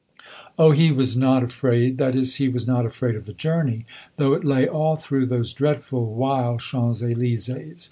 "Oh, he was not afraid that is, he was not afraid of the journey, though it lay all through those dreadful wild Champs Elysees.